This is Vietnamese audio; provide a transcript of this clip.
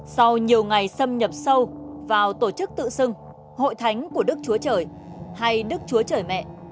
sau nhiều ngày xâm nhập sâu vào tổ chức tự xưng hội thánh của đức chúa trời hay đức chúa trời mẹ